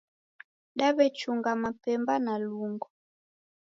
Daw'echunga mapemba na lungo